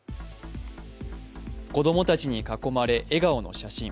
子供たちに囲まれ、笑顔の写真。